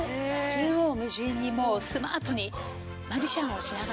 縦横無尽にもうスマートにマジシャンをしながらね。